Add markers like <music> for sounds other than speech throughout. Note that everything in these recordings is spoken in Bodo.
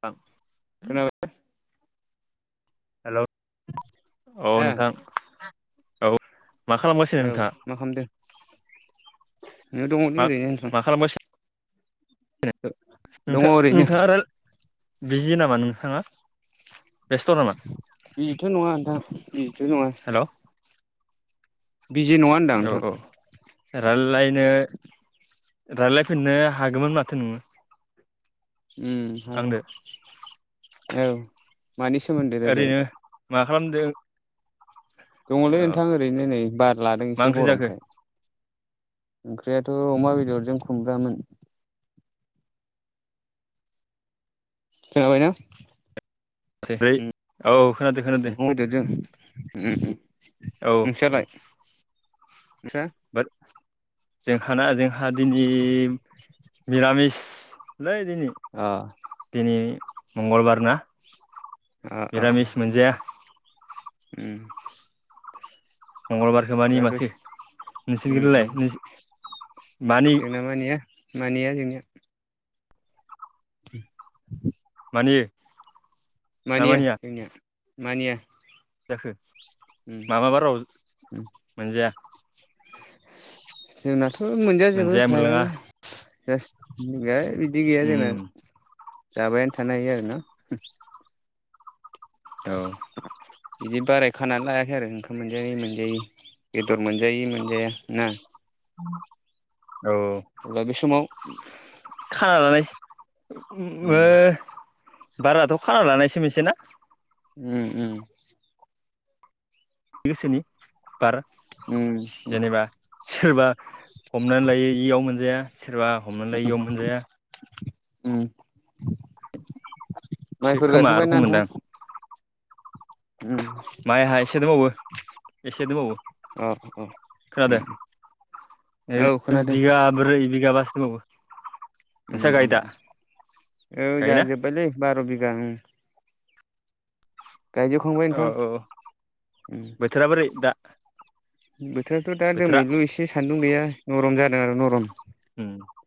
थां खोनाबाय हेल' औ नोंथां दा? औ। मा खालामगासिनो औ नोंथाङा मा खामदो? ओ दङ मा नै ओरैनो‌ नोंथां। मा दङ नोंथा ओरैनो नोंथाङा आर बिजि नामा नोंथाङा? बेस्थ' नामा बिजिथ' नङा नोंथां बिजिथ' नङा। हेल' औ बिजि नङा होनदां नोंथां। राल्लायनो रायलायफिननो हागौमोन माथो नोङो। उम हागौ। आंदो औ मानि सोमोन्दै रायला <unintelligible> खालामदो। दङलै नोंथां ओरैनो नै बार लादों मा एसे ओंख्रि जाखो गरमखाय। ओंख्रियाथ' अमा बेदरजों खुमब्रामोन। खोनाबायना? <unintelligible> उम औ औ खोनादो खोनादो। अमा बेदरजों उम औ नोंस्रालाय औ। नोंस्रा बाथ जोंहाना जोंहा दिनि मिरामिस लै दिनि। अ दिनि मंगलबार ना। आ आ मिरामिस मोनजाया <unintelligible> उम। मंगलबारखो मानि दा माथो दसे नोंसिनि उम उम गोद्लाय नोंसि मानि जोंना मानिया मानिया जोंनिया। <inaudible> मानियो। मानिया मामानिया जोंनिया मानिया। जाखो उम मा मा बाराव उम मोनजाया? जोंनाथ' मोनजाजोबो मोनजाया मोनलाङा हायानो। जास <unintelligible> बिदि गैया जोंना। उम जाबायानो थानो हायो आरो ना। औ। बिदि बाराय खानानै लायाखै आरो ओंखाम मोनजायै मोनजायै बेदर मोनजायै मोनजाया ना। औ अब्ला बे समाव खाना लानायसै उम <unintelligible> बाराथ' खारा लानायसो मोनसे ना? उम उम गोसोनि बार उम उम जेनेबा सोरबा हमनानै लायो इयाव मोनजाया। सोरबा हमना लायो इयाव मोनजाया। उम सो माइफोर खोमा गायाखांबायना नोंथां? उम माइ हा एसे दंबावो। एसे दंबावो। अ अ खोनादों? उम औ ओ खोनादों बिगाब्रै बिगा बासों दंबावो। उम नोंस्रा गायो उम दा उम। औ गायोना जाहा जोब्बायलै बार' बिगा उम। गायजोबखांबाय ओ नोंथां औ उम बोथोरा बोरै? बोथोराथ' दा बोथोरा दोमैलु एसे सान्दुं गैया नरम जादों आरो नरम।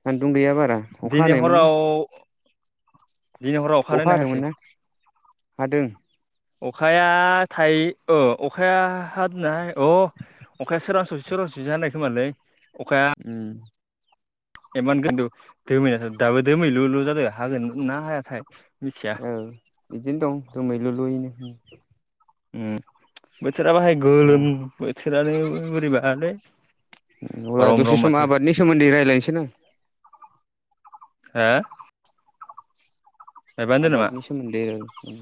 सान्दुं गैया बारा अखा दिनै हानायमोन ना हराव दिन हराव अखा अखानायनो हादोंमोन हायासै। ना हादों अखाया थायो औ अखाया हादनाय अ अखाया सोरां सौफ सोरां जानाय खोमालै? अखाया उम इमान खिन्थु दोमैना दाबो दोमैलुल' जादों हागोन ना हायाथाय? मिथिया औ बिदिनो दं जोमैल' लुयैनो। उ बोथोरा बाहाय गोलोम बोथोरानो बोरैबालै। अब्ला गरम रम दसे सम माथो आबादनि सोमोन्दै रायज्लायनोसै ना? हो गायबानो दोन नामा आबादनि सोमोन्दै आरो।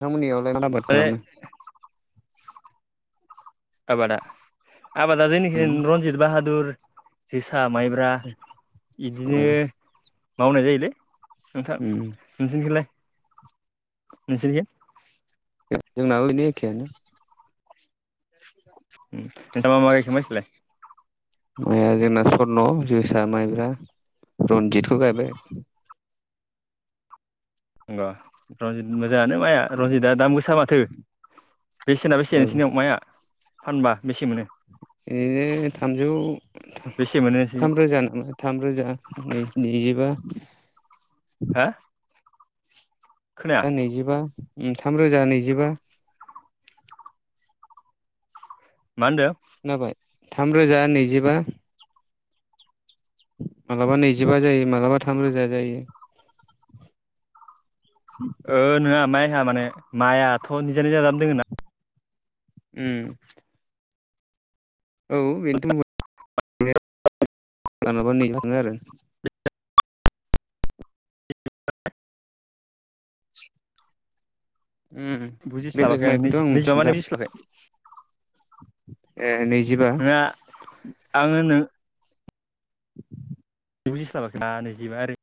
नोंथांमोननियावलाय आबाद ओइ खालामो। आबादा आबादा जेनिखि उम रनजित बाहादुर जि जोसा माइब्रा ओ इदिनो मावनाय जायोलै। नोंथां उम नोंसनखलाय नोंसोरनिखिजा? जोंनावओनो एखे। <unintelligible> माइाया जोंना स्र्न' जोसा माइब्रा रन्जितखौ गायबाय। अ रनजित <unintelligible> हायानो माया रनजितआ दाम गोसा माथो बे सनाब बेसेेनसनियाव माया फानबा? बेसे मोनो बिदिैनो थामजौ बेसे मोनो नोंसोरनियाव थाम रोजा थामरोजा नै-नैजिबा। हा खोनाया जा नैजिबा उम थाम रोजा नैजिबा। मा होनदो? थामरोजा नैजिबा। मालाबा नैजिबा जायो मालाबा थाम रोजा जायो। ओ नोंङा माइहा माने माइआथ' निजा निजा जानानै दोङो ना। उम औ बेनोथ' मालाबा नैजिबा थाङो आरो। <inaudible> उम बेलेग बुजिस्लाबाखै आं माइखौथ' नैज-नैजिबा मिथिला माने <unintelligible> ए नैजिबा नाङा आङोनो <inaudible> बुजिस्लाबाखै <inaudible> नै जिबा आरो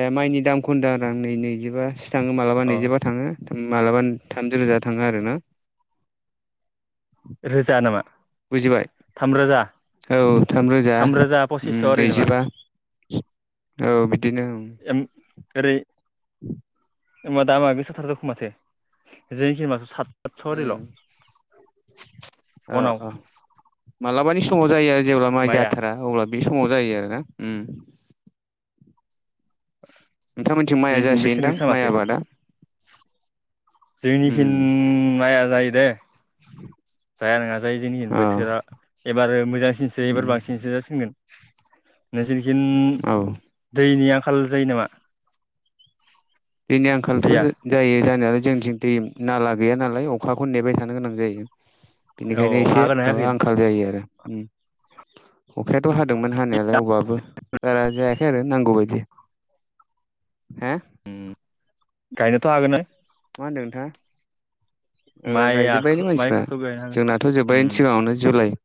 ए माइनि दामखौ होनदों आरो आं नै-नैजिबासो थाङो मालाबा अ नैजिबा थाङो। मालाबा थामजि रोजा थाङो आरो ना। रोजा नामा? औ बुजिबाय थामरोजा औ थामरोजा उम पसिसस' ओरै नामा नैजिबा। औ बिदिनो उम। ओरै औ ओमा दामा गोसाथार दख' माथो जोंखि माथो साततस' ओरैल'। ओ मनाव ओ मालाबानि समाव जायो आरो जेब्ला माइ माइआ जाथारा अब्ला बे समाव जायो आरो उम। नोंथांमोनथिं माइआ जोंनिखि बेसेन जासियोनदां गोसा माइ आबादा? जोंनिखि उम माइया जायो दे। जाया नोङा जायो जोंनिखि अ बोथोरा एबारो मोजांसिनसो एबार उम बांसिनसो जासिनगोन। नोंसिनिखिन औ दैनि आंखाल जायो नामा? दैनि आंखालथ' दैया जायो जानायालाय जोंनिथिं दै नाला गैया नालाय अखाखौनो नेबाय थानो गोनां जायो। औ बेनिखायनो अखा एसे हागोना हायाखै माबा आंखाल जायो आरो उम अखाया थ' हादोंमोन हानायालाय अबाबो बारा जायाखै आरो नांगौबायदि हे गायनोथ' हागोन ना मा होनदों नोंथाङा औ माइया गायजोब्बायनो मानसिफ्रा माइखौथ' गायनो हागोन जोंनाथ' जोब्बायनो उम सिगाङावनो जुलाइ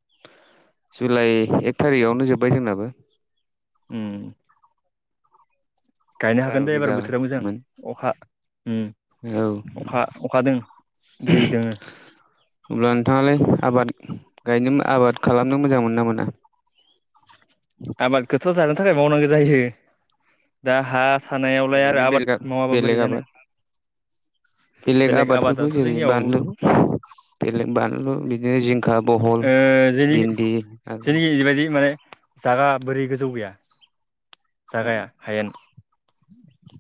जुलाइ एक थारिखआवनो जोब्बाय जोंनाबो उम गायनो हागोन बार' दे एबार बोथोराव मोजां बिगामोन अखा औ उ अखा-अखा दों दै दोङो अब्ला नोंथाङालाय आबाद गायनो आबाद खालामनो मोजां मोनो ना मोना? आबाद खोथ' जानो थाखाय मावनांगौ जायो दा हा थानायावलाय ओरैनो आरो बेलेग आबाद मावाबा बेलेग बोरै जानो। आबाद बेलेग आबादफोरखौ आबादाथ' जेरै जोंनियाव बानलु बेलेग बानलु बिदिनो बहल ओ जेनिखि भिन्दि आरो जेनिखि बेबायदि माने जागा बोरि गोजौ गैया। उम जागाया हायेन।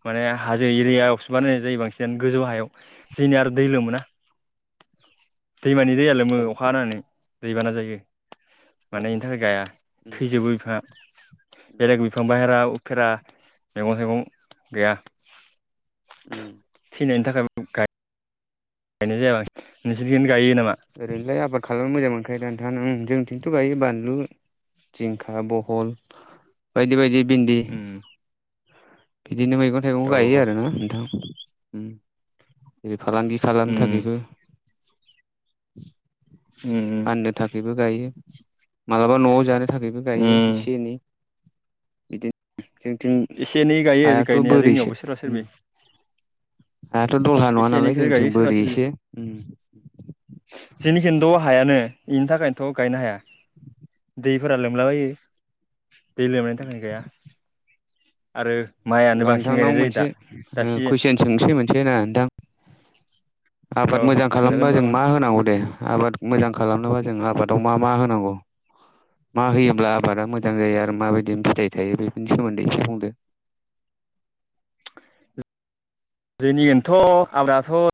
माने हाजो औ एरियायावसो बानायनाय जायो बांसिन गोजौ हायाव जोंनिया आरो दैलोमो ना। दैमानि दैया लोमो औ अखा हानानै दैबाना जायो। मानि इनि थाखाय गाया उम थैजोबो बिफाङा बेलेग बिफां बाहेरा उफेरा मैगं थाइगं गैया। उ <inaudible> फिसानायनि थाखाय गाइ गायनाय जाबाय नोंसोर ओरैलाय आबाद खालामनो मोजां मोनखायो ना नोंथां जोंथिंथ' गायो बानलु जिंखा बहल बायदि बायदि भिन्दि उम बिदिनो मैगं थाइगं औ गायो औ आरो ना नोंथां। जेरै फालांगि खालामनो उम थाखायबो उम फाननो थाखायबो गायो मालाबा न'आव जानो थाखायबो गायो उम एसे एनै बिदि जोंथिं एसे एनै गायो हायाथ' गायनाया जोंनियावबो बोरैसो सोरबा सोरबि हायाथ' दलहा नडा एसे नालाय एनैखौनो जोंनिथिं बोरि सो जेनिखिथ' हायानो बेनि थाखायनोथ' गायनो हाया। दैफोरा लोमलाबायो दै लोमनायनि थाखाय गाया आरो माइआनो अब्ला बांसिन नोंथांनाव गायनाय जायो दा मोनसे दा सिजोन कुइसन सोंसै मोनसे ना नोंथां। औ आबाद मोजां खालामबा सोंजागोन जों मामोन मा होनांगौ दे आबाद मोजां खालामनोबा जों आबादाव मा मा होनांगौ। मा होयोब्ला आबादा मोजां जायो आरो माबायदि फिथाइ थायो बेफोरनि सोमोन्दै एसे बुंदो। <inaudible> जोंनियथ' आबादाथ'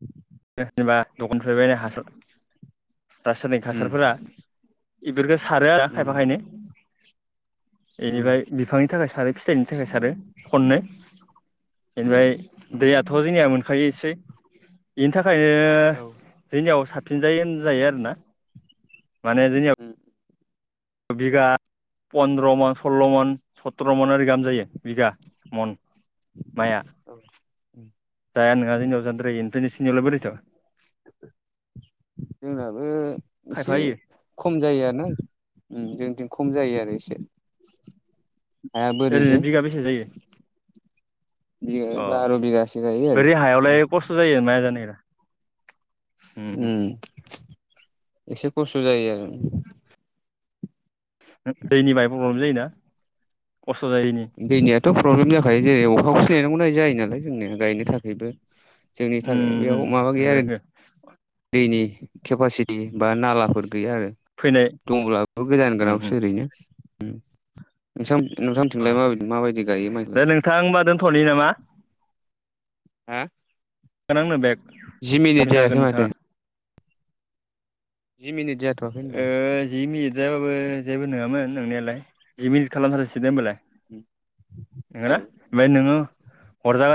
उ <inaudible> जेनेबा दखानफोरबायनाय हासार रासायनिक उम हासारफोरा बेफोरखौ सारो आरो उम खायफा खायननो बेनिफ्राय उम बिफांनि थाखाय सारो फिथाइनि थाखाय सारो खननो बेनिफ्राय उम उम दैयाथ' जोंनिया मोनखायो। सै बेनि थाखायनो औ जोंनियाव साबसिनजायो होन जायो आरोना माने जोंनिनियाव उम बिगा पन्द्र' मन सल्ल' मन सत्र' मन ओरै गाहाम जायो बिगा। मन औ माया। औ उम जाया नोंङा उम जोंनियाव जाद्रायो ओमफ्रायों नोंसिनियावलाय बोरैथो जोंनाबो। खायफा एसे होयो खम जायो ना जोंथिं खम जायो आरो एसे। हाया ओ ओरैनो बोरैसो बिगा बेसे जायो? बिगा अ बे बार' बिगासो गायो आरो उम बोरिहायावलाय खस्थ' जायो माया जानाया। उम एसे खस्थ' जायो आरो दैनि बाहाय प्रब्लेम जायोना खस्थ' जायनि थ' प्रब्लेम जाखायो जेरै अखाखौसो नायनांगौ नाय जायो नालाय जोंनि गायनो थाखायबो। जोंनि थाखाय नंगौ बेयाव माबा गैया आरो नंगौ दैनि केपासिटि बा नालाफोर गैया आरो फैनाय दंब्लाबो गोजान गोनावसो ओरैनो नोंथां। नोंथांथिंलाय माब माबायदि गायो दा माइलाय। नोंथां होमबा दोनथ'नि नामा हा? खोनादों। जिमिनिट जायाखै माथो। जि मिनिट। जाथ'वाखै होनदां जि मिनिट जायाबाबो जेबो नङामोन नोंनायालाय जि मिनिट खालामथारोंसै दे होनबालाय। औ नोंगना ओमफाय नों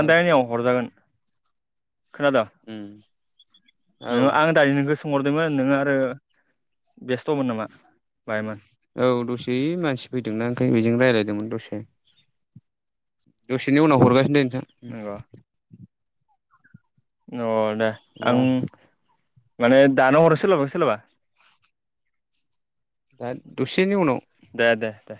औ दे हरजागोन। खोनादों? उम औ नोङो आं दानि नोंखौ सोंहरदोंमोन नोङो आरो बेस्थ'मोन नामा? बाहायमोन औ दसे मानसि फैदों ना आं बेजोंनो रायज्लायदोंमोन दसे दसेनि उनाव हरगासिनो दं। नंगौ <unintelligible> अ दे आं अब्ला माने दाना हरो सोलाबा सोलाबा? दा दसेनि उनाव दे दे दे।